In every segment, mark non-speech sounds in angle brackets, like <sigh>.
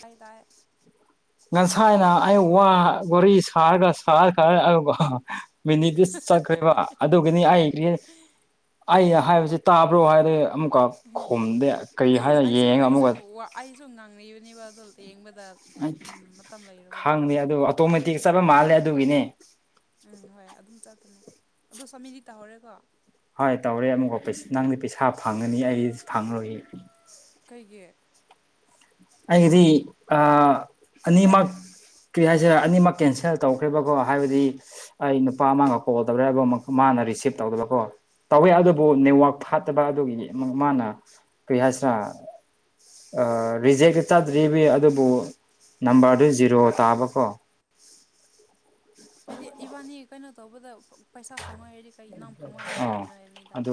ꯇꯥꯏ ꯇꯥꯏ ꯅꯪ ꯊꯥꯏꯅ ꯑꯩ ꯋꯥ ꯒꯣꯔꯤ ꯁꯥꯔꯒ ꯁꯥꯔ ꯈꯔ ꯑꯗꯨꯒ ꯃꯤꯅꯤꯗꯤ ꯆꯠꯈ꯭ꯔꯦꯕ ꯑꯗꯨꯒꯅꯤ ꯑꯩ ꯑꯩ ꯍꯥꯏꯕꯁꯤ ꯇꯥꯕ꯭ꯔꯣ ꯍꯥꯏꯗꯤ ꯑꯃꯨꯛꯀ ꯈꯣꯝꯗꯦ ꯀꯔꯤ ꯍꯥꯏꯔ ꯌꯦꯡꯉ ꯑꯃꯨꯛꯀ ꯁ ꯉꯥꯡꯅꯔꯤꯕꯅꯦꯕ ꯑ ꯑꯗꯨꯣ ꯌꯦꯡꯕ ꯈꯪꯗꯦ ꯑꯗꯨ ꯑꯣꯇꯣꯃꯦꯇꯤꯛ ꯆꯠꯄ ꯃꯥꯜꯂꯦ ꯑꯗꯨꯒꯤꯅꯦ ꯎꯝ ꯍꯣꯏ ꯑꯗꯨꯝ ꯆꯠꯇꯅꯤ ꯑꯗꯣ ꯆꯃꯤꯗꯤ ꯇꯥꯍꯧꯔꯦꯀꯣ ꯍꯣꯏ ꯇꯧꯔꯦ ꯑꯃꯨꯛꯀꯣ ꯅꯪꯗꯤ ꯄꯩꯁꯥ ꯐꯪꯉꯅꯤ ꯑꯩ ꯐꯪꯔꯨꯏ ꯀꯩꯒꯤ ꯍꯥꯏꯗꯤ ꯑꯅꯤꯃ ꯀꯔꯤ ꯍꯥꯏꯁꯦ ꯑꯅꯤꯃꯛ ꯀꯦꯟꯁꯦꯜ ꯇꯧꯈ꯭ꯔꯦꯕꯀꯣ ꯍꯥꯏꯕꯗꯤ ꯑꯩ ꯅꯨꯄꯥ ꯑꯃꯒ ꯀꯣꯜ ꯇꯧꯔꯦꯕ ꯃꯥ ꯍꯅ ꯔꯤꯁꯤꯞ ꯇꯧꯗꯕꯀꯣ ꯇꯧꯋꯦ ꯎꯝ ꯑꯗꯨꯕꯨ ꯅꯦꯠꯋꯥꯛ ꯐ ꯐꯠꯇꯕ ꯑꯗꯨꯒꯤ ꯃꯥꯅ ꯀꯔꯤ ꯍꯥꯏꯁꯤꯔꯥ ꯔꯤꯖꯦ ꯆꯥꯗ꯭ꯔꯤꯕ ꯑꯗꯨꯕꯨ ꯅꯝꯕꯔꯗꯨ ꯖꯤꯔꯣ ꯇꯥꯕꯀꯣ ꯍꯥꯏꯗꯤ ꯏꯕꯥꯅꯤ ꯀꯩꯅꯣ ꯇꯧꯕꯗ ꯄꯩꯁꯥ ꯐꯪꯉꯣꯏꯏꯔꯗꯤ ꯀꯩ ꯅꯪ ꯐꯪꯉꯣꯏꯏꯔꯗꯤ ꯑꯥ ꯀꯩꯒꯤꯅꯣ ꯍꯥꯏꯕꯅꯤꯗ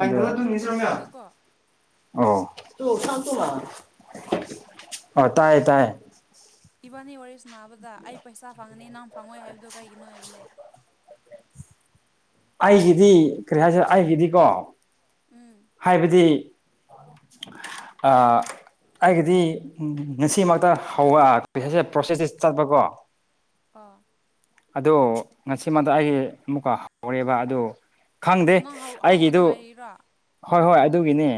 ꯑꯩ ꯑꯗꯨ ꯑꯗꯨꯅꯤꯁꯃꯦ ꯑ ꯑꯗꯨꯀꯣ ꯑ ꯇꯥꯏ ꯇꯥꯏ ꯏꯕꯥꯅꯤ ꯋꯥꯔꯤ ꯁꯅꯥꯕꯗ ꯑꯩ ꯄꯩꯁꯥ ꯐꯪ ꯪꯅꯤ ꯅꯍ ꯐꯪꯉꯣꯏ ꯍꯥꯏꯕꯗꯣ ꯀꯩꯒꯤꯅꯣ ꯍꯥꯏꯕꯅꯦ ꯑꯩꯒꯤꯗꯤ ꯀꯔꯤ ꯍꯥꯏꯁꯦ ꯑꯩꯒꯤꯗꯤꯀꯣ ꯎꯝ ꯍꯥꯏꯕꯗꯤ ꯑꯩꯒꯤꯗꯤ ꯉꯁꯤꯃꯛꯇ ꯍꯧꯕ ꯄꯩꯁꯥꯁꯦ ꯄ꯭ꯔꯣꯁꯦꯁꯁꯦ ꯆꯠꯄꯀꯣ ꯑꯣ ꯑꯗꯣ ꯉꯁꯤꯃꯗ ꯑꯩ ꯑꯃꯨꯛꯀ ꯍꯧꯔꯦꯕ ꯑꯗꯣ ꯈꯪꯗꯦ ꯅꯪ ꯍꯧ ꯍꯧꯕꯗ ꯑꯩꯒꯤꯗꯨ ꯉꯥꯏꯔꯤꯔꯣ ꯍꯣꯏ ꯍꯣꯏ ꯑꯗꯨꯒꯤꯅꯦ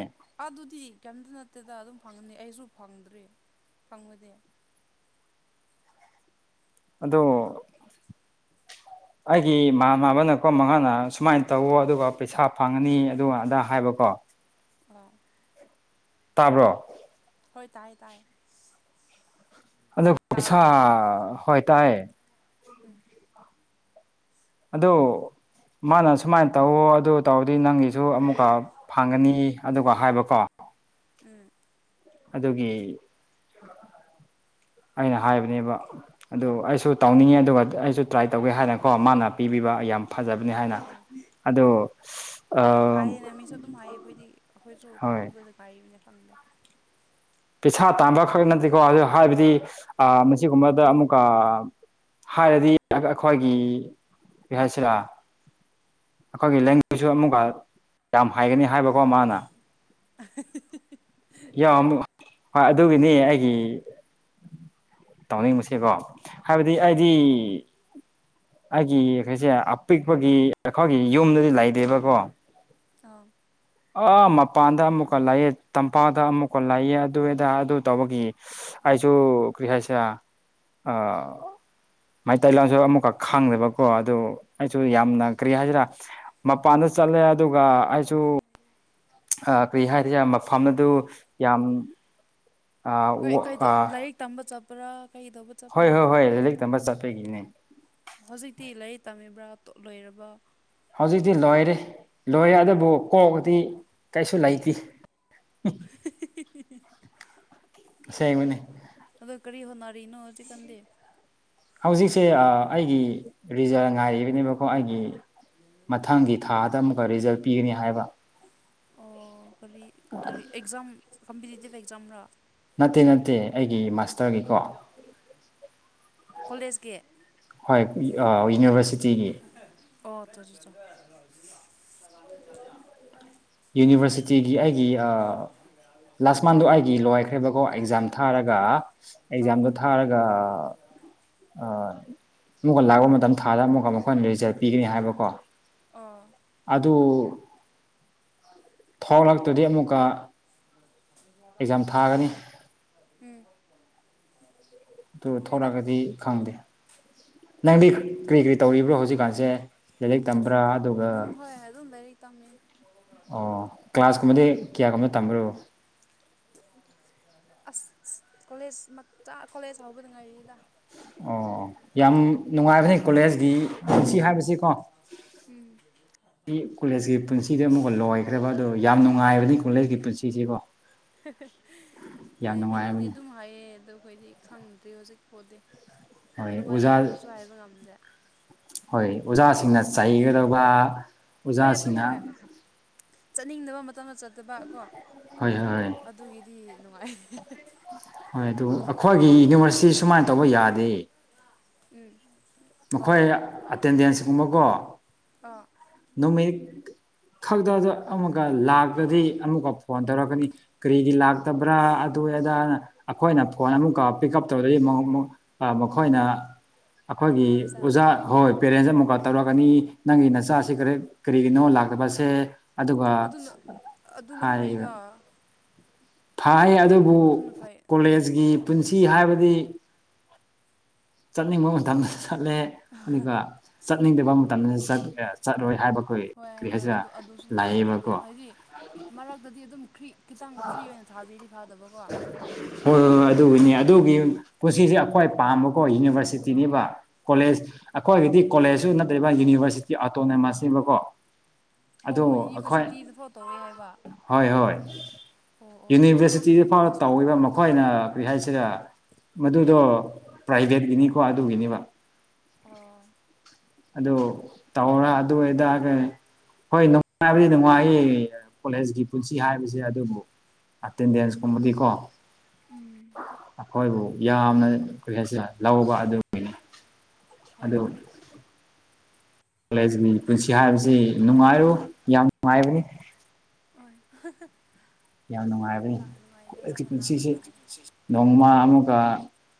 ꯑꯗꯨꯗꯤ ꯀꯩꯝꯇ ꯅꯠꯇꯦꯗ ꯑꯗꯨꯝ ꯐꯪꯉꯅꯤ ꯑꯩꯁꯨ ꯐꯪꯗ꯭ꯔꯔꯤ ꯐꯪꯕꯗꯤ ꯑꯗꯣ ꯑꯩꯒꯤ ꯏꯃꯥ ꯃꯥꯕꯅꯀꯣ ꯃꯉꯥꯅ ꯁꯨꯃꯥꯏꯅ ꯇꯧꯋ ꯑꯗꯨꯒ ꯄꯩꯁꯥ ꯐꯪꯉꯅꯤ ꯑꯗꯨꯒ ꯑꯗꯥ ꯍꯥꯏꯕꯀꯣ ꯑꯣ ꯇꯥꯕ꯭ꯔꯣ ꯍꯣꯏ ꯇꯥꯏꯌꯦ ꯇꯥꯏ ꯑꯗ ꯄꯁꯥ ꯇꯥꯗ꯭ꯔꯥ ꯍꯣꯏ ꯇꯥꯏ ꯎꯝ ꯑꯗꯣ ꯃꯥꯅ ꯁꯨꯃꯥꯏꯅ ꯇꯧꯋ ꯑꯗꯨ ꯇꯧꯔꯗꯤ ꯅꯪꯒꯤꯁꯨ ꯑꯃꯨꯛꯀ ꯐꯪꯒꯅꯤ ꯑꯗꯨꯒ ꯍꯥꯏꯕꯀꯣ ꯎꯝ꯫ ꯑꯗꯨꯒꯤ꯫ ꯑꯩꯅ ꯍꯥꯏꯕꯅꯦꯕ ꯑꯗꯨ ꯑꯩꯁꯨ ꯇꯧꯅꯤꯡꯉꯦ ꯑꯗꯨꯒ ꯑꯩꯁꯨ ꯇ꯭ꯔꯥꯏ ꯇꯧꯒꯦ ꯍꯥꯏꯅꯀꯣ ꯃꯥꯅ ꯄꯤꯕꯤꯕ ꯌꯥꯝ꯫ ꯐꯖꯕꯅꯤ ꯍꯥꯏꯅ꯫ ꯑꯣ ꯑꯣ ꯑꯗꯣ ꯑꯣ ꯑ ꯍꯣꯏ ꯐꯥꯏꯌꯦꯅꯦ ꯃꯤꯁꯨ ꯑꯗꯨꯝ ꯍꯥꯏꯌꯦ ꯑꯩꯈꯣꯏꯗꯤ ꯑꯩꯈꯣꯏꯁꯨ ꯍꯣꯏ ꯍꯧꯕꯗ ꯉꯥꯏꯔꯤꯕꯅ꯫ ꯐꯝꯗ꯫ ꯄꯩꯁꯥ ꯇꯥꯟꯕ ꯈꯛ ꯅꯠꯇꯦꯀꯣ ꯑꯗꯨ ꯍꯥꯏꯕꯗꯤ ꯃꯁꯤꯒꯨꯝꯕꯗ ꯑꯃꯨꯛꯀ ꯑꯥ꯫ ꯍꯥꯏꯔꯗꯤ ꯑꯩꯈꯣꯏꯒꯤ ꯀꯩ ꯍꯥꯏꯁꯤꯔ꯫ ꯑꯩꯈꯣꯏꯒꯤ <unintelligible> ꯁꯨ ꯑꯃꯨꯛꯀ ꯌꯥꯝ ꯍꯩꯌꯦꯅꯦ ꯍꯥꯏꯕꯀꯣ ꯃꯥꯅ꯫ <unintelligible> ꯌꯥ ꯍꯣꯏ ꯑꯃꯨꯛ ꯍꯣꯏ ꯍꯣꯏ ꯑꯗꯨꯒꯤꯅꯤ ꯑꯩꯒꯤ꯫ ꯇꯧꯅꯤꯡꯕꯁꯦꯕꯣ ꯍꯥꯏꯕꯗꯤ ꯑꯩꯗꯤ꯫ ꯑꯥ ꯑꯩꯒꯤ ꯀꯩꯁꯦ ꯑꯄꯤꯛꯄꯒꯤ ꯑꯩꯈꯣꯏꯒꯤ ꯌꯨꯝꯗꯗꯤ ꯂꯩꯗꯦꯕꯀꯣ꯫ ꯑꯥꯥ꯫ ꯑꯥ ꯃꯄꯥꯟꯗ ꯑꯃꯨꯛꯀ ꯂꯥꯛꯑꯦ ꯇꯝꯄꯥꯛꯗ ꯑꯃꯨꯛꯀ ꯂꯥꯛꯑꯦ ꯑꯗꯨ ꯑꯗ ꯑꯗꯨ ꯇꯧꯕꯒꯤ ꯑꯩꯁꯨ ꯀꯔꯤ ꯍꯥꯏꯁꯤꯔ ꯑꯥꯥ꯫ ꯃꯩꯇꯩ ꯂꯝꯁꯨ ꯑꯃꯨꯛꯀ ꯈꯥꯡꯗꯦꯕꯀꯣ ꯑꯗꯨ꯫ ꯑꯩꯁꯨ ꯑꯣ ꯌꯥꯝꯅ ꯀꯔꯤ ꯍꯥꯏꯁꯤꯔꯥ ꯃꯄꯥꯟꯗ ꯆꯠꯂꯦ ꯑꯗꯨꯒ ꯑꯩꯁꯨ꯫ ꯀꯔꯤ ꯍꯥꯏꯔꯤꯁꯦ ꯃꯐꯝ ꯑꯗꯨ ꯌꯥꯝ꯫ ꯍꯣꯏ ꯀꯩꯗꯣ ꯂꯥꯏꯔꯤꯛ ꯇꯝꯕ ꯆꯠꯄ꯭ꯔꯥ ꯀꯩꯗꯧꯕ ꯍꯣꯏ ꯆꯠꯄꯅꯣ ꯍꯣꯏ ꯍꯣꯏ ꯏꯔꯤꯛ ꯇꯝꯕ ꯆꯠꯄꯒꯤꯅꯦ꯫ ꯍꯧꯖꯤꯛꯇꯤ ꯂꯥꯏꯔꯤꯛ ꯇꯝꯃꯤꯕ꯭ꯔꯥ ꯂꯣꯏꯔꯕꯣ꯫ ꯍꯧꯖꯤꯛꯇꯤ ꯂꯣꯏꯔꯦ ꯂꯣꯏꯔꯦ ꯑꯗꯨꯕꯨ ꯀꯣꯛꯗꯤ ꯀꯩꯁꯨ ꯂꯩꯇꯦ꯫ ꯑꯁꯦꯡꯕꯅꯤ꯫ ꯑꯗꯣ ꯀꯔꯤ ꯍꯣꯠꯅꯔꯤꯅꯣꯗꯤ ꯈꯪꯗꯦ꯫ ꯍꯧꯖꯤꯛꯁꯦ ꯑꯩꯒꯤ ꯔꯤꯖꯟ ꯉꯥꯏꯔꯤꯕꯅꯦꯕꯀꯣ ꯑꯩꯒꯤ꯫ ꯃꯊꯪꯒꯤ ꯊꯥꯗ ꯑꯃꯨꯛꯀ ꯔꯤꯖꯜ ꯄꯤꯒꯅꯤ ꯍꯥꯏꯕ꯫ ꯑꯣ ꯀꯔꯤ ꯀꯔꯤ ꯑꯦꯛꯖꯥꯝ ꯀꯝꯄꯤꯇꯤꯇꯤꯚ ꯑꯦꯛꯖꯥꯝꯔ꯫ ꯅꯠꯇꯦ ꯅꯠꯇꯦ ꯑꯩꯒꯤ ꯃꯥꯁꯇꯔꯒꯤꯀꯣ꯫ ꯀꯣꯂꯦꯁꯀꯤ꯫ ꯍꯣꯏ ꯌꯨꯅꯤꯚꯔꯁꯤꯇꯤꯒꯤ꯫ ꯑꯣ ꯆꯣꯆꯣ ꯆꯣ꯫ ꯌꯨꯅꯤꯚꯔꯁꯤꯇꯤꯒꯤ ꯑꯩꯒꯤ ꯂꯥꯁ ꯃꯟꯗꯣ ꯑꯩꯒꯤ ꯂꯣꯏꯈ꯭ꯔꯦꯕꯀꯣ ꯑꯦꯛꯖꯥꯝ ꯊꯥꯔꯒ ꯑꯣ ꯑꯦꯛꯖꯥꯝꯗꯣ ꯑꯣ ꯊꯥꯔꯒ ꯑꯥ ꯑꯥ ꯫ ꯑꯃꯨꯛ ꯂꯥꯛꯄ ꯃꯇꯝ ꯊꯥꯔ ꯑꯃꯛꯀ ꯃꯈꯣꯏꯅ ꯔꯤꯖꯟ ꯄꯤꯒꯅꯤ ꯍꯥꯏꯕꯀꯣ ꯑꯣ ꯑꯗꯨ꯫ ꯊꯣꯛ ꯂꯥꯛꯇ꯭ꯔꯗꯤ ꯑꯃꯨꯛꯀ꯫ ꯑꯦꯛꯖꯥꯝ ꯊꯥꯒꯅꯤ꯫ ꯎꯝ ꯑꯗꯨ ꯍꯣꯏꯗ ꯊꯂꯛꯑꯒꯗꯤ ꯈꯪꯗꯦ꯫ ꯅꯪꯗꯤ ꯀꯔꯤ ꯊꯣꯔ ꯀꯔꯤ ꯇꯧꯔꯤꯕ꯭ꯔꯣ ꯍꯧꯖꯤꯛꯀꯥꯟꯁꯦ꯫ ꯂꯥꯏꯔꯤꯛ ꯇꯝꯕ꯭ꯔꯥ ꯑꯗꯨꯒ ꯎꯝ ꯍꯣꯏ ꯑꯗꯨꯝ ꯂꯥꯏꯔꯤꯛ ꯇꯝꯃꯤ ꯑꯣ ꯀ꯭ꯂꯥꯁꯀꯨꯝꯕꯗꯤ ꯀꯌꯥ ꯀꯨꯝꯕ ꯇꯝꯕ꯭ꯔꯣ꯫ ꯑꯁ ꯀꯣꯂꯦꯖ ꯃꯆꯥ ꯀꯣꯂꯦꯖ ꯍꯧꯕꯗ ꯉꯥꯏꯔꯤꯗ꯫ ꯑꯣ ꯌꯥꯝ ꯅꯨꯡꯉꯥꯏꯕꯅꯤ ꯀꯣꯂꯦꯖꯀꯤꯁꯤ ꯍꯥꯏꯕꯁꯤꯀꯣ꯫ ꯎꯝ ꯀꯣꯂꯦꯖꯀꯤ ꯄꯨꯟꯁꯤꯗꯤ ꯑꯃꯨꯛꯀ ꯂꯣꯏꯈ꯭ꯔꯕ ꯑꯗꯣ ꯌꯥꯝ ꯅꯨꯡꯉꯥꯏꯕꯅꯤ ꯀꯣꯂꯦꯖꯀꯤ ꯄꯨꯟꯁꯤꯁꯤꯀꯣ꯫ ꯌꯥꯝ ꯍꯣꯏ ꯃꯤꯅꯗꯤ ꯅꯨꯡꯉꯥꯏꯕꯅꯤ ꯑꯗꯨꯝ ꯍꯥꯏꯌꯦ ꯑꯗꯣ ꯑꯩꯈꯣꯏꯗꯤ ꯈꯪꯗ꯭ꯔꯤ ꯍꯧꯖꯤꯛ ꯐꯥꯎꯗꯤ꯫ ꯌꯥꯝ ꯍꯣꯏ ꯑꯣꯖꯥ ꯅꯨꯡꯉꯥꯏ ꯍꯥꯏꯕꯁꯨ ꯍꯥꯏꯕ ꯉꯝꯗꯦ꯫ ꯍꯣꯏ ꯑꯣꯖꯥꯁꯤꯡꯅ ꯆꯩꯒꯗꯧꯕ ꯍꯣꯏ ꯑꯗꯨꯝ ꯑꯣꯖꯥꯁꯤꯡꯅ꯫ ꯍꯣꯏ ꯆꯠꯅꯤꯡꯗꯕ ꯃꯇꯝꯗ ꯆꯠꯇꯕ ꯀꯣ ꯍꯣꯏ ꯍꯣꯏ ꯍꯣꯏ ꯑꯗꯨꯒꯤꯗꯤ ꯅꯨꯡꯉꯥꯏꯔꯦ꫰ ꯍꯣꯏ ꯑꯗꯨ ꯑꯩꯈꯣꯏꯒꯤ ꯌꯨꯅꯤꯚꯔꯁꯤꯇꯤ ꯁꯨꯃꯥꯏꯅ ꯇꯧꯕ ꯌꯥꯗꯦ꯫ ꯎꯝ ꯃꯈꯣꯏ ꯑꯣ ꯑꯦꯇꯦꯟꯗꯦꯟꯁꯀꯨꯝꯕꯀꯣ ꯑꯥ ꯅꯨꯃꯤꯠ ꯈꯛꯇꯗ ꯑꯃꯨꯛꯀ ꯂꯥꯛꯄꯗꯤ ꯑꯃꯨꯛꯀ ꯐꯣꯟ ꯇꯧꯔꯛꯀꯅꯤ ꯀꯔꯤꯒꯤ ꯂꯥꯛꯇꯕ꯭ꯔꯥ ꯑꯗꯨ ꯑꯩꯈꯣꯏꯅ ꯐꯣꯟ ꯑꯃꯨꯛ ꯄꯤꯛ ꯎꯞ ꯇꯧꯗꯤ ꯃꯈꯣꯏꯅ ꯑꯩꯈꯣꯏꯒꯤ ꯄꯦꯔꯦꯟꯁꯇ ꯑꯣꯖꯥ ꯍꯣꯏ ꯄꯦꯔꯦꯟꯁ ꯑꯃꯨꯛꯀ ꯇꯧꯔꯛꯒꯅꯤ ꯅꯪꯒꯤ ꯅꯆꯥꯁꯤ ꯀꯔꯤ ꯀꯔꯤꯒꯤꯅꯣ ꯂꯥꯛꯇꯕꯁꯦ ꯑꯗꯨꯒ ꯑꯗꯨꯅ ꯑꯗꯨꯅ ꯐꯥꯏꯗꯥ ꯐꯥꯏ ꯑꯗꯨꯕꯨ ꯐꯩ ꯀꯣꯂꯦꯖꯀꯤ ꯄꯨꯟꯁꯤ ꯍꯥꯏꯕꯗꯤ ꯆꯠꯅꯤꯡꯕ ꯃꯇꯝꯗ ꯆꯠꯂꯦ ꯑꯗꯨꯒ ꯆꯠꯅꯤꯡꯗꯕ ꯃꯇꯝꯗ ꯆꯠꯂꯣꯏ ꯍꯥꯏꯕ ꯑꯩꯈꯣꯏ ꯍꯣꯏ ꯀꯔꯤ ꯍꯣꯏ ꯍꯥꯏꯁꯤꯔꯥ ꯑꯗꯨ ꯑꯗꯨꯁꯨ ꯂꯩꯌꯦ ꯑꯗꯨ ꯂꯥꯛꯑꯦꯕꯀꯣ ꯍꯥꯏꯗꯤ ꯃꯔꯛꯇꯗꯤ ꯑꯗꯨꯝ ꯈ꯭ꯔꯤꯛ ꯈꯤꯇꯪ ꯐ꯭ꯔꯤ ꯑꯣꯏꯅ ꯊꯥꯕꯤꯔꯤ ꯐꯥꯗꯕꯀꯣ ꯍꯣꯏꯣꯏ ꯑꯗꯨꯒꯤꯅꯤ ꯑꯗꯨꯒꯤ ꯄꯨꯟꯁꯤꯁꯦ ꯑꯩꯈ꯭ꯋꯥ ꯄꯥꯝꯕꯀꯣ ꯌꯨꯅꯤꯚꯔꯁꯤꯇꯤꯅꯤꯕ ꯀꯣꯂꯦꯖ ꯑꯩꯈꯣꯏꯒꯤꯗꯤ ꯀꯣꯂꯦꯖꯁꯨ ꯅꯠꯇ꯭ꯔꯕ ꯌꯨꯅꯤꯚꯔꯁꯤꯇꯤ ꯑꯣꯇꯣꯅꯣꯃꯁꯅꯦꯕꯀꯣ ꯑꯗꯨ ꯑꯣ ꯑꯩꯈꯣꯏ ꯌꯨꯅꯤꯚꯔꯁꯤꯇꯤꯗ ꯐꯥꯎ ꯇꯧꯋꯦ ꯍꯥꯏꯕ ꯍꯣꯏ ꯍꯣꯏ ꯑꯣ ꯑꯣ ꯑꯩꯗꯤ ꯌꯨꯅꯤꯚꯔꯁꯤ ꯅꯍꯥꯟ ꯇꯤ ꯅꯣꯏ ꯐꯥꯎ ꯀꯣꯂꯦꯖ ꯇꯧꯔꯤꯕ ꯃꯇꯝꯒꯤ ꯃꯈꯣꯏꯅ ꯀꯔꯤ ꯍꯥꯏꯁꯤꯔ ꯃꯗꯨꯗꯣ ꯄ꯭ꯔꯥꯏꯚꯦꯠꯀꯤꯅꯤꯀꯣ ꯑꯗꯨꯒꯤꯅꯦꯕ ꯑꯣ ꯑꯗꯣ ꯇꯧ꯭ꯔ ꯑꯗꯨ ꯑꯗꯨꯒꯦ <inaudible> ꯍꯣꯏ ꯅꯨꯡꯉꯥꯏꯕꯗꯤ ꯅꯨꯡꯉꯥꯏꯌꯦ ꯀꯣꯂꯦꯖꯀꯤ ꯄꯨꯟꯁꯤ ꯍꯥꯏꯁꯦ ꯑꯗꯨꯕꯨ ꯑꯇꯦꯟꯗꯦꯟꯁ ꯀꯨꯝꯕꯗꯤꯀꯣ ꯎꯝ ꯑꯩꯈꯣꯏꯕꯨ ꯌꯥꯝꯅ ꯀꯔꯤ ꯍꯥꯏꯁꯦ ꯂꯧꯕ ꯑꯗꯨꯒꯤꯅꯤ ꯍꯣꯏ ꯑꯗꯨ ꯍꯣꯏ ꯀꯣꯂꯦꯖꯀꯤ ꯄꯨꯟꯁꯤ ꯍꯥꯏꯕꯁꯤ ꯅꯨꯡꯉꯥꯏꯔꯨ ꯌꯥꯝ ꯅꯨꯡꯉꯥꯏꯕꯅꯤ ꯑꯣ <inaudible> ꯌꯥꯝ ꯅꯨꯡꯉꯥꯏꯕꯅꯤ ꯑꯩ <inaudible> ꯍꯣꯠꯅꯕ ꯄꯨꯟꯁꯤꯁꯤ ꯇꯥꯔꯦ ꯅꯣꯡꯃ ꯑꯃꯒ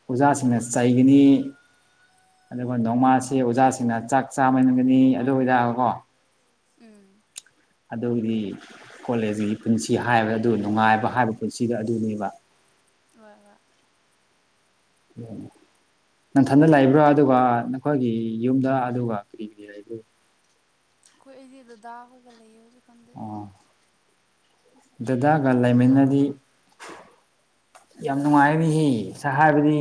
ꯑꯣꯖꯥꯁꯤꯡꯅ ꯆꯩꯒꯅꯤ ꯑꯗꯨꯒ ꯅꯣꯡꯃꯥꯁꯤ ꯑꯣꯖꯥꯁꯤꯡꯅ ꯆꯥꯛ ꯆꯥ ꯒꯅꯤ ꯑꯗꯨ ꯑꯣꯏꯇꯥꯔꯒꯀꯣ <inaudible> ꯎꯝ ꯑꯗꯨꯗꯤ ꯀꯣꯂꯦꯖꯀꯤ ꯄꯨꯟꯁꯤ ꯍꯥꯏꯕ ꯑꯗꯨ ꯅꯨꯡꯉꯥꯏꯕ ꯍꯥꯏꯕ ꯄꯨꯟꯁꯤꯗꯣ ꯑꯗꯨꯅꯦꯕ ꯋꯥ ꯋꯥ ꯎ <inaudible> ꯅꯪꯊꯟꯗ ꯂꯩꯕ꯭ꯔꯥ ꯑꯗꯨꯒ ꯅꯈꯣꯏꯒꯤ ꯌꯨꯝꯗ ꯑꯗꯨꯒ ꯀꯔꯤꯒꯤ ꯂꯩꯕ꯭ꯔꯣ ꯈꯣꯏꯗꯤ ꯗꯥꯗꯥ ꯍꯣꯏꯒ ꯂꯩꯌꯦ ꯍꯧꯖꯤꯛ ꯑꯣ ꯗꯗꯥꯒ ꯂꯩꯃꯤꯟꯅꯗꯤ ꯌꯥꯝ ꯅꯨꯡꯉꯥꯏꯅꯤꯍ ꯁ ꯍꯥꯏꯕꯗꯤ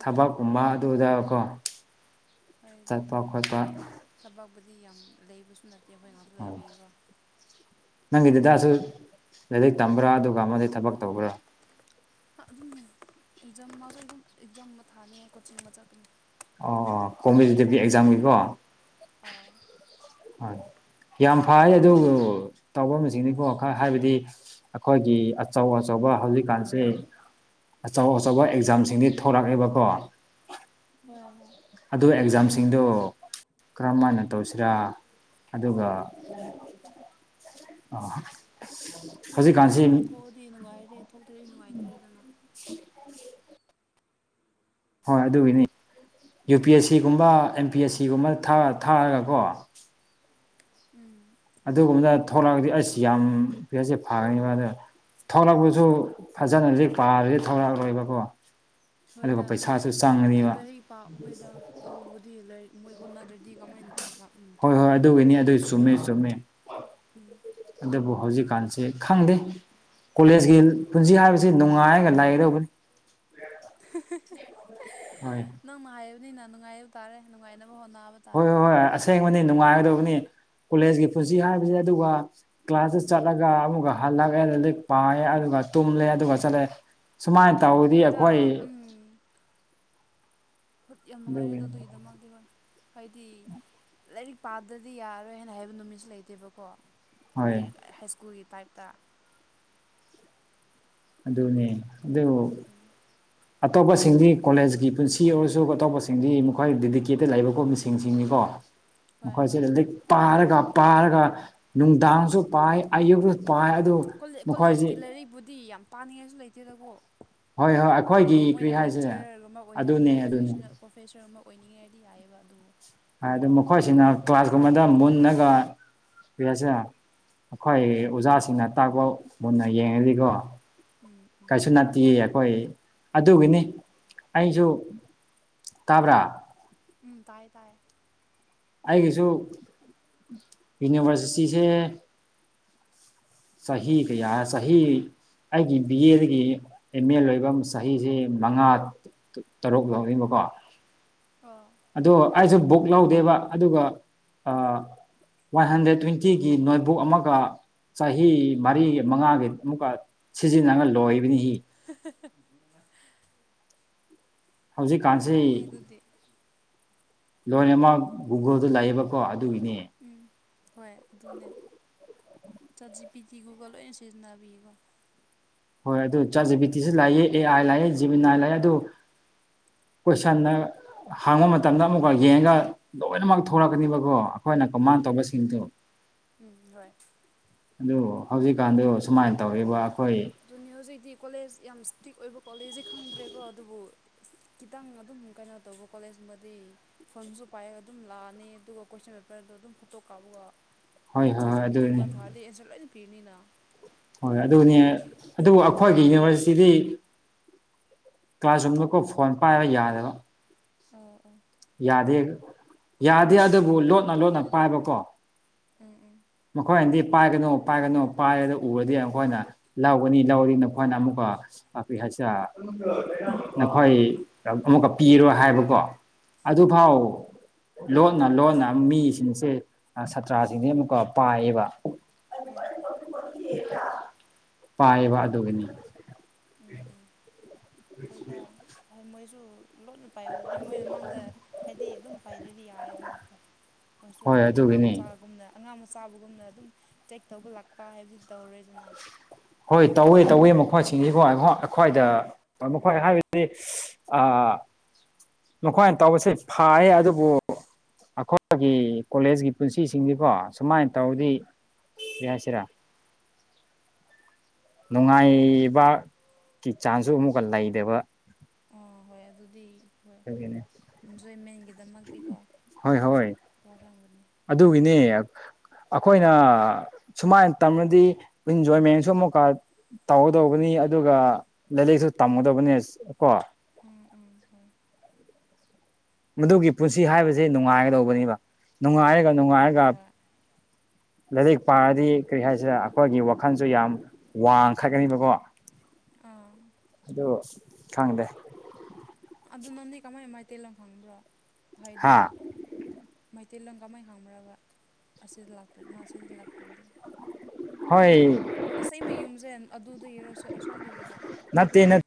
ꯊꯕꯛꯀꯨꯝꯕ ꯑꯗꯨꯗꯀꯣ ꯆꯠꯄ ꯈꯣꯠꯄ ꯕꯨꯗꯤ ꯌꯥꯝ ꯂꯩꯕꯁꯨ ꯅꯠꯇꯦ ꯑꯩꯈꯣꯏ ꯉꯥꯛꯇ ꯑꯣ ꯂꯩꯕꯤꯌꯦꯀꯣ ꯅꯪꯒꯤ ꯗꯗꯥꯁꯨ ꯂꯥꯏꯔꯤꯛ ꯇꯝꯕ꯭ꯔꯥ ꯑꯗꯨꯒ ꯃꯗꯩ ꯊꯕꯛ ꯇꯧꯕ꯭ꯔꯥ ꯑꯗꯨꯝ ꯑꯦꯛꯖꯥꯝ ꯑꯦꯛꯖꯥꯝ ꯑꯃ ꯊꯥꯅꯤ ꯍꯥꯏ ꯀꯣꯆꯤꯡ ꯑꯃ ꯆꯠꯄꯅꯤ ꯑꯣ ꯑꯣ ꯀꯃꯦꯗꯤ <inaudible> ꯑꯦꯛꯖꯝꯒꯤꯕ ꯑꯧ ꯍꯣꯏ ꯌꯥꯝ ꯐꯩ ꯑꯗꯨꯕꯨ ꯇꯐꯝꯁꯤꯡꯅꯤꯕꯨ ꯈꯛ ꯍꯥꯏꯕꯗꯤ ꯑꯩꯈꯣꯏꯒꯤ ꯑꯆꯧ ꯑꯆꯧ ꯍꯧꯖꯤꯛꯀꯥꯟꯁꯦ ꯑꯆꯧ ꯑꯆꯧꯕ ꯑꯦꯛꯖꯥꯝꯁꯤꯡꯗꯤ ꯊꯣꯛꯂꯛꯑꯦꯕꯀꯣ ꯍꯣꯏ ꯍ ꯑꯗ ꯑꯦꯛꯖꯥꯝꯁꯤꯡꯗꯣ ꯀꯔꯝ ꯍꯥꯏꯅ ꯇꯧꯁꯤꯔꯥ ꯑꯗꯨꯒ ꯑ <unintelligible> ꯑꯗꯨꯝꯣꯏ ꯑꯣꯏꯅ ꯊꯥꯔꯒ ꯊꯣꯛꯑꯗꯤ ꯅꯨꯡꯉꯥꯏꯔꯦ ꯊꯣꯛꯇ꯭ꯔ ꯅꯨꯡꯉꯥꯏꯇ꯭ꯔꯦꯗꯅ ꯎꯝ <inaudible> ꯍꯣꯏ ꯑꯗꯨꯒꯤꯅꯤ ꯌꯨ ꯄꯤ ꯑꯦꯁ ꯁꯤꯒꯨꯝꯕ ꯑꯦꯝ ꯄꯤ ꯑꯦꯁ ꯁꯤ ꯒꯤꯒꯨꯝꯕꯗ ꯊꯥ ꯊꯥꯔꯒꯀꯣ ꯎꯝ ꯑꯗꯨꯒꯨꯝꯕꯗ ꯊꯣꯛꯂꯛꯑꯒꯗꯤ ꯑꯩꯁ ꯌꯥꯝ ꯄꯁꯦ ꯐꯒꯅꯤꯕ ꯑꯗꯨꯗ ꯊꯣꯛꯂꯛꯄꯁꯨ ꯐꯖꯅꯗꯤ ꯄꯥꯔꯗꯤ ꯊꯣꯛꯂꯛꯂꯣꯏꯕꯀꯣ ꯍꯣꯏꯗ ꯂꯥꯏꯔꯤꯛ ꯄꯥ ꯍꯣꯏꯗ ꯇꯧꯕꯗꯤ ꯂꯥꯏꯔꯤꯛ ꯃꯣꯏ ꯍꯣꯠꯅꯗ꯭ꯔꯗꯤ ꯀꯃꯥꯏꯅ ꯍꯣꯏ ꯍꯣꯏ ꯑꯗꯨꯒꯤꯅꯤ ꯑꯗꯨ ꯆꯨꯝꯃꯦ ꯆꯨꯝꯃꯦ ꯎꯝ ꯇꯕꯨ ꯍꯧꯖꯤꯛꯀꯥꯟꯁꯦ ꯈꯪꯗꯦ ꯀꯣꯂꯦꯖꯀꯤ ꯄꯨꯟꯁꯤ ꯍꯥꯏꯕꯁꯤ ꯅꯨꯡꯉꯥꯏꯔꯒ ꯂꯩꯒꯗꯧꯕꯅꯤ ꯍꯣꯏ ꯅꯪꯅ ꯍꯥꯏꯕꯅꯤꯅ ꯅꯨꯡꯉꯥꯏꯕ ꯇꯥꯔꯦ ꯅꯨꯡꯉꯥꯏꯅꯕ ꯍꯣꯠꯅꯕ ꯍꯣꯏ ꯇꯥꯔꯦ ꯍꯣꯏ ꯍꯣꯏ ꯑꯁꯦꯡꯕꯅꯤ ꯅꯨꯡꯉꯥꯏꯒꯗꯕꯅꯤ ꯀꯣꯂꯦꯖꯀꯤ ꯄꯨꯟꯁꯤ ꯍꯥꯏꯕꯁꯦ ꯑꯗꯨꯒ ꯀ꯭ꯂꯥꯁꯇ ꯆꯠꯂꯒ ꯑꯃꯨꯛ ꯍꯜꯂꯛꯑꯦ ꯂꯥꯏꯔꯤꯛ ꯄꯥꯏꯌꯦ ꯑꯗꯨꯒ ꯇꯨꯝꯂꯦ ꯑꯗꯨꯒ ꯆꯠꯂꯦ ꯁꯨꯃꯥꯏꯅ ꯇꯧꯔꯗꯤ ꯑꯩꯈꯣꯏ ꯍꯣꯏꯗ ꯎꯝ ꯌꯥꯝ ꯅꯨꯡꯉꯥꯏꯔꯦꯗꯣ ꯑꯗꯨꯒꯤꯗꯃꯛꯇꯤ ꯍꯥꯏꯗꯤ ꯎꯝ ꯂꯥꯏꯔꯤꯛ ꯄꯥꯗ꯭ꯔꯗꯤ ꯌꯥꯔꯣꯏ ꯍꯥꯏꯅ ꯍꯥꯏꯕ ꯅꯨꯃꯤꯠꯁꯨ ꯂꯩꯇꯦꯕꯀꯣ ꯍꯣꯏ ꯍꯥꯏ ꯁ꯭ꯀꯨꯜꯒꯤ ꯇꯥꯏꯞꯇ ꯑꯗꯨꯅꯦ ꯑꯗꯨ ꯑꯇꯣꯞꯄꯁꯤꯡꯗꯤ ꯀꯣꯂꯦꯖꯀꯤ ꯄꯨꯟꯁꯤ ꯑꯣꯏꯔꯁꯨ ꯑꯇꯣꯞꯄꯁꯤꯡꯗꯤ ꯃꯈꯣꯏ ꯗꯦꯗꯤꯀꯦꯇꯦꯠ ꯂꯩꯕ ꯈꯣꯠꯄꯁꯤꯡ ꯁꯤꯡꯁꯤꯡꯅꯤꯀꯣ ꯍꯣꯏ ꯃꯈꯣꯏꯁꯤ ꯂꯥꯏꯔꯤꯛ ꯄꯥꯔꯒ ꯄꯥꯔꯒ ꯅꯨꯡꯗꯥꯡꯁꯨ ꯄꯥꯏ ꯑꯌꯨꯛꯁꯨ ꯄꯥꯏ ꯑꯗꯨ ꯃꯈꯣꯏꯁꯤ ꯀꯣꯂꯦꯖꯀꯤ ꯂꯥꯏꯔꯤꯛꯄꯕꯨꯗꯤ ꯌꯥꯝ ꯄꯥꯅꯤꯡꯉꯥꯏꯁꯨ ꯂꯩꯇꯦꯗꯀꯣ ꯍꯣꯏ ꯍꯣꯏ ꯍꯥꯏꯗꯤ ꯑꯩꯈꯣꯏꯒꯤ ꯀꯔꯤ ꯃꯣꯏꯅ ꯍꯥꯏꯁꯤꯔ ꯂꯦꯛꯆꯔ ꯑꯃ ꯑꯗꯨꯅꯦ ꯑꯣꯏꯍꯟꯅꯤꯡꯉꯦ ꯑꯗꯨꯅꯦ ꯄ꯭ꯔꯣꯐꯦꯁꯅꯦꯜ ꯄ꯭ꯔꯣꯐꯦꯁꯔ ꯑꯃ ꯑꯣꯏꯅꯤꯡꯉꯗꯤ ꯌꯥꯏꯌꯦꯕ ꯑꯗꯨ ꯍꯥꯏꯗ ꯃꯈꯣꯏꯁꯤꯅ ꯀꯂ꯭ꯥꯁ ꯀꯨꯝꯕꯗ ꯃꯨꯟꯅꯒ ꯄꯁꯦ ꯑꯩꯈꯣꯏ ꯑꯣꯖꯥꯁꯤꯡꯅ ꯇꯥꯛꯄ ꯃꯨꯟꯅ ꯌꯦꯡꯉꯗꯤꯀꯣ ꯎꯝ ꯎꯝ ꯀꯩꯁꯨ ꯅꯠꯇꯦ ꯑꯩꯈꯣꯏ ꯑꯗꯨꯒꯤꯅꯤ ꯑꯩꯁꯨ ꯇꯥꯕ꯭ꯔꯥ ꯎꯝ ꯇꯥꯏ ꯇꯥꯏ ꯑꯩꯒꯤꯁꯨ ꯌꯨꯅꯤꯚꯔꯁꯤꯇꯤꯁꯦ ꯆꯍꯤ ꯀꯌꯥ ꯆꯍꯤ ꯑꯩꯒꯤ ꯕꯤ ꯑꯦꯗꯒꯤ ꯑꯦꯝ ꯑꯦ ꯂꯣꯏꯕ ꯆꯍꯤꯁꯤ ꯃꯉꯥ ꯇꯔꯨꯛ ꯂꯧꯋꯦꯕꯀꯣ ꯑꯣ ꯑꯗꯣ ꯑꯩꯁꯨ ꯕꯨꯛ ꯂꯧꯗꯦꯕ ꯑꯗꯨꯒ ꯑ ꯋꯥꯟ ꯍꯟꯗ꯭ꯔꯦꯠ ꯇ꯭ꯋꯦꯟꯇꯤꯒꯤ ꯅꯣꯠꯕꯨꯛ ꯑꯃꯒ ꯆꯍꯤ ꯃꯔꯤꯒꯤ ꯃꯉꯥꯒꯤ ꯑꯃꯨꯛꯀ ꯁꯤꯖꯤꯟꯅꯒ ꯂꯣꯏꯕꯅꯤ <unintelligible> ꯍꯧꯖꯤꯛꯀꯥꯟꯁꯤ ꯌꯥꯏꯌꯦ ꯑꯗꯨꯗꯤ ꯂꯣꯏꯅꯃꯛ ꯒꯨꯒꯜꯗ ꯂꯩꯌꯦꯕꯀꯣ ꯑꯗꯨꯒꯤꯅꯦ ꯍꯣꯏ ꯑꯗꯨꯅꯦ chat G P T Google ꯂꯣꯢ ꯁꯤꯖꯤꯟꯅꯕꯤꯌꯦꯀꯣ ꯍꯣꯏ ꯑꯗꯨ ꯆꯥꯠ ꯖꯤ ꯄꯤ ꯇꯤꯁꯨ ꯂꯥꯛꯑꯦ ꯑꯦ ꯑꯥꯏ ꯂꯥꯛꯑꯦ ꯖꯤꯃꯤꯅꯥꯏ ꯂꯥꯛꯑꯦ ꯑꯗꯨ ꯀꯣꯏꯁꯟꯅ ꯍꯡꯕ ꯃꯇꯝꯗ ꯑꯃꯨꯛꯀ ꯌꯦꯡꯉꯒ ꯂꯣꯏꯅꯃꯛ ꯊꯣꯛꯂꯛꯀꯅꯤꯕꯀꯣ ꯑꯩꯈꯣꯏꯅ ꯀꯃꯥꯏ ꯇꯧꯕ ꯁꯤꯡꯗꯨ ꯍꯣꯏ ꯑꯗꯨ ꯍꯧꯖꯤꯛꯀꯥꯟꯗꯣ ꯁꯨꯃꯥꯏꯅ ꯇꯧꯔꯤꯕ ꯑꯩꯈꯣꯏ ꯑꯗꯨꯅꯤ ꯍꯧꯖꯤꯛꯇꯤ ꯀꯣꯂꯦꯖ ꯌꯥꯝ ꯏꯁꯇ꯭ꯔꯤꯛ ꯑꯣꯏꯕ ꯀꯣꯂꯦꯖꯁꯦ ꯈꯪꯗ꯭ꯔꯦꯀꯣ ꯑꯗꯨꯕꯨ ꯈꯤꯇꯪ ꯑꯗꯨꯝ ꯀꯩꯅꯣ ꯇꯧꯕ ꯀꯣꯂꯦꯖꯀꯨꯝꯕꯗꯤ ꯐꯣꯟꯁꯨ ꯄꯥꯏꯔꯒ ꯑꯗꯨꯝ ꯂꯥꯛꯑꯅꯤ ꯑꯗꯨꯒ ꯀꯣꯏꯁꯟ ꯄꯦꯄꯔ ꯗꯣ ꯑꯗꯨꯝ ꯐꯣꯇꯣ ꯀꯥꯞꯄꯒ ꯍꯣꯏ ꯍꯣꯏ ꯆꯥꯠ ꯖꯤ ꯍꯣꯏ ꯄꯤ ꯇꯤ ꯑꯗꯨꯅꯤ ꯗꯒꯨꯝꯕ ꯊꯥꯔꯗꯤ ꯑꯦꯟꯁꯔ ꯂꯣꯏꯅ ꯄꯤꯔꯅꯤꯅ ꯍꯣꯏ ꯑꯗꯨꯅꯦ ꯑꯗꯨꯕꯨ ꯑꯩꯈꯣꯏꯒꯤ ꯍꯧꯖꯤꯛꯀꯥꯟꯒꯤ ꯌꯨꯅꯤꯚꯔꯁꯤꯇꯤꯗꯤ ꯀ꯭ꯂꯥꯁꯔꯨꯝꯗꯀꯣ ꯐꯣꯟ ꯄꯥꯏꯔ ꯌꯥꯗꯕ ꯑꯣ ꯑꯣ ꯌꯥꯗꯦꯒ ꯌꯥꯗꯦ ꯑꯗꯨꯕꯨ ꯑꯗꯨꯅ ꯂꯣꯠꯅ ꯂꯣꯠꯅ ꯐꯩꯗ ꯄꯥꯏꯕꯀꯣ ꯎꯝ ꯎꯝ ꯃꯈꯣꯏꯅꯗꯤ ꯄꯥꯏꯒꯅꯣ ꯄꯥꯏꯒꯅꯣ ꯄꯥꯏꯔꯒ ꯎꯔꯗꯤ ꯑꯩꯈꯣꯏꯅ ꯂꯧꯒꯅꯤ ꯂꯧꯔꯤꯅ ꯑꯩꯈꯣꯏꯅ ꯑꯃꯨꯛꯀ ꯑꯁ ꯅꯈꯣꯏ ꯑꯃꯨꯛꯀ ꯄꯤꯔꯣ ꯍꯥꯏꯕꯀꯣ ꯑꯗꯨ ꯑꯥ ꯑꯥ ꯐꯥꯎ ꯂꯣꯟꯅ ꯂꯣꯟꯅ ꯃꯤꯁꯤꯡꯁꯦ ꯁꯥꯇ꯭ꯔꯥꯁꯤꯡꯁꯦ ꯑꯃꯨꯛꯀ ꯄꯥꯏꯌꯦꯕ ꯎꯝ ꯄꯥꯏꯕ ꯑꯗꯨꯒꯤꯅꯤ ꯎꯝ ꯎꯝ ꯍꯣꯏꯗ ꯍꯥꯏ ꯃꯣꯏꯁꯨ ꯂꯣꯏꯅ ꯄꯥꯏꯕ ꯑꯗꯨꯗꯤ ꯃꯣꯏ ꯃꯃꯥꯡꯗ ꯍꯥꯏꯗꯤ ꯑꯗꯨꯝ ꯄꯥꯏꯗ꯭ꯔꯗꯤ ꯌꯥꯔꯦꯗꯅꯀꯣ ꯃꯣꯏꯁꯨ ꯍꯣꯏ ꯑꯗꯨꯝ ꯑꯉꯥꯡ ꯑꯗꯨꯒꯤꯅꯤ ꯃꯆꯥꯒꯨꯝꯅ ꯑꯉꯥꯡ ꯃꯆꯥ ꯆꯥꯕꯒꯨꯝꯅ ꯑꯗꯨꯝ ꯆꯦꯛ ꯇꯧꯕ ꯂꯥꯛꯄ ꯍꯥꯏꯕꯁꯤ ꯇꯧꯔꯦ ꯑꯗꯨꯅ ꯍꯣꯏ ꯇꯧꯏ ꯇꯧꯏ ꯃꯈꯣꯏꯁꯤꯡꯁꯤꯕꯨ ꯑꯩꯈ꯭ꯣꯏꯗ ꯃꯈꯣꯏ ꯍꯣ ꯍꯥꯏꯕꯗꯤ ꯑ ꯃꯈꯣꯏꯅ ꯇꯧꯕꯁꯦ ꯐꯌꯦ ꯑꯗꯨꯕꯨ ꯑꯩꯈꯣꯏꯒꯤ ꯀꯣꯂꯦꯖꯀꯤ ꯄꯨꯟꯁꯤꯁꯤꯡꯁꯤꯀꯣ ꯁꯨꯃꯥꯏꯅ ꯇꯧꯗꯤ ꯎꯝ ꯌꯥꯁꯤꯔꯥ ꯅꯨꯡꯉꯥꯏꯕ ꯀ ꯆꯥꯡꯁꯨ ꯑꯃꯨꯛꯀ ꯂꯩꯗꯕ ꯑꯥ ꯍꯣꯏ ꯑꯗꯨꯗꯤ ꯍꯣꯏ ꯑꯗꯨꯒꯤꯅꯦ ꯏꯟꯖꯣꯏꯃꯦꯟꯒꯤꯗꯃꯛꯇꯤꯀꯣ ꯋꯥꯔꯝꯒꯅꯤ ꯑꯗꯨꯒꯤꯅꯦ ꯑꯩꯈꯣꯏꯅ ꯁꯨꯃꯥꯏꯅ ꯇꯝꯅꯗꯤ ꯏꯟꯖꯣꯏꯃꯦꯟꯁꯨ ꯑꯃꯨꯛꯀ ꯇꯧꯒꯗꯧꯕꯅꯤ ꯑꯗꯨꯒ ꯂꯥꯏꯔꯤꯛꯁꯨ ꯇꯝꯒꯗꯕꯅꯦ ꯀꯣ ꯎꯝ ꯎꯝ ꯎꯝ ꯃꯗꯨꯒꯤ ꯄꯨꯟꯁꯤ ꯍꯥꯏꯕꯁꯦ ꯅꯨꯡꯉꯥꯏꯒꯗꯧꯕꯅꯦꯕ ꯅꯨꯡꯉꯥꯏꯔꯒ ꯑꯥ ꯅꯨꯡꯉꯥꯏꯔꯒ ꯍꯣꯏ ꯂꯥꯏꯔꯤꯛ ꯄꯥꯔꯗꯤ ꯀꯔꯤ ꯍꯥꯏꯁꯤꯔ ꯑꯩꯈꯣꯏꯒꯤ ꯋꯥꯈꯜꯁꯨ ꯌꯥꯝ ꯋꯥꯡꯈꯠꯀꯅꯤꯕꯀꯣ ꯑꯥ ꯑꯗꯣ ꯈꯪꯗꯦ ꯑꯗꯨ ꯅꯪꯗꯤ ꯀꯃꯥꯏꯅ ꯃꯩꯇꯩꯂꯣꯟ ꯈꯪꯕ꯭ꯔꯣ ꯍꯥ ꯍꯥꯏꯗꯤ ꯇꯦꯂꯪ ꯀꯃꯩ ꯈꯪꯕ꯭ꯔꯕ ꯑꯁꯤꯗ ꯑꯁꯤꯗ ꯂꯥꯛꯇ꯭ꯔꯗꯤ ꯍꯣꯢ ꯑꯁꯦꯡꯕ ꯌꯨꯝꯁꯦ ꯑꯗꯨꯗ ꯌꯦꯔꯣꯁꯦ ꯑꯁꯣꯝꯗ ꯌꯦꯔꯣ ꯅꯠꯇꯦ ꯅꯠ